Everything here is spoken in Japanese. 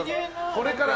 これから。